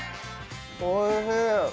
おいしい！